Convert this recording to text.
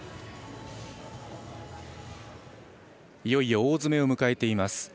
いよいよ大詰めを迎えています